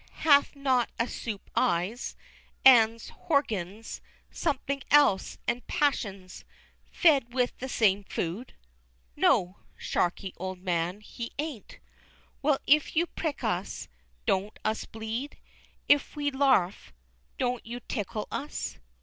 Hath not a supe eyes, 'ands, horgans, somethin' else, and passions? fed with the same food? (no! Shakey, old man, he ain't!) Well, if you prick us, don't us bleed? if we larf, don't you tickle us?